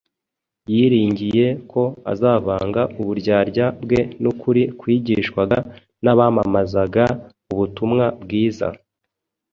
yiringiye ko azavanga uburyarya bwe n’ukuri kwigishwaga n’abamamazaga ubutumwa bwiza.